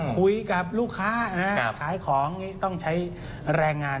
คุยกับลูกค้านะขายของต้องใช้แรงงาน